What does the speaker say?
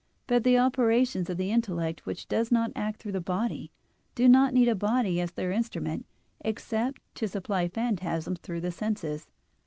But the operations of the intellect, which does not act through the body, do not need a body as their instrument, except to supply phantasms through the senses.